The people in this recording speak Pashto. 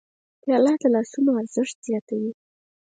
پیاله د لاسونو ارزښت زیاتوي.